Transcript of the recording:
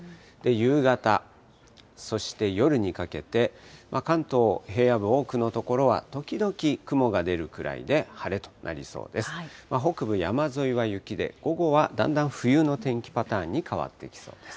夕方、そして夜にかけて関東平野部、多くの所は時々雲が出るくらいで晴れとなりそうです。